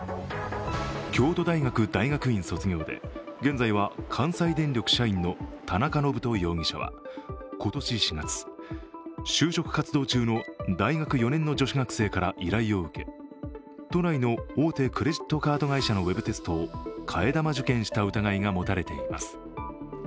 京都大学大学院卒業で現在は関西電力社員の田中信人容疑者は、今年４月就職活動中の大学４年の女子学生から依頼を受け都内の大手クレジットカード会社のウェブテストを替え玉受検した疑いが持たれています。